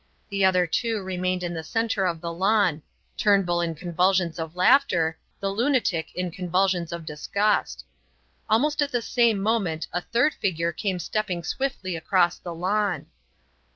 The other two remained in the centre of the lawn Turnbull in convulsions of laughter, the lunatic in convulsions of disgust. Almost at the same moment a third figure came stepping swiftly across the lawn.